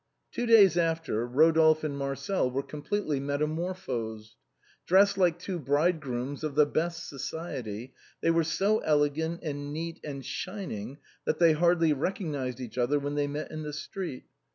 Two days after, Eodolphe and Marcel were completely metamorphosed. Dressed like two bridegrooms of the best society, they were so elegant, and neat, and shining, that they hardly recognized each other when they met in the street.